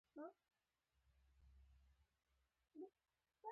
سیاسي مرکزیت او نظم حاکم کړی و.